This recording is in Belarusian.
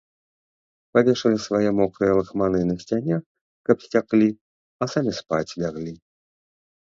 Павешалі свае мокрыя лахманы на сцяне, каб сцяклі, а самі спаць ляглі.